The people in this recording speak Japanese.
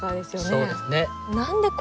そうですね。